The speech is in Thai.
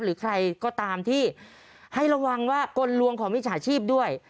หรือใครก็ตามที่ให้ระวังว่ากลลวงของมิจฉาชีพด้วย